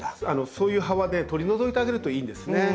そういう葉は取り除いてあげるといいんですね。